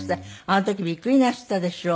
あの時びっくりなすったでしょ？